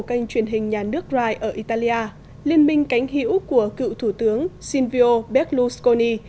trên kênh truyền hình nhà nước rai ở italia liên minh cánh hữu của cựu thủ tướng silvio beclusconi